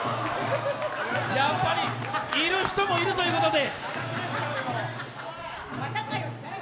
やっぱり、要る人もいるということで。